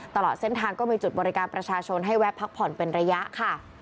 ตลอดเส้นทางก็มีจุดบริการประชาชนให้แวะพักผ่อนเป็นระยะค่ะ